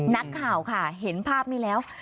นักข่าวค่ะเห็นภาพนี้แล้ว